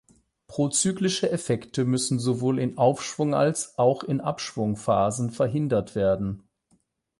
Prozyklische Effekte müssen sowohl in Aufschwungals auch in Abschwungphasen verhindert werden.